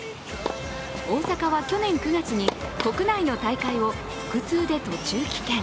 大坂は去年９月に国内の大会を腹痛で途中棄権。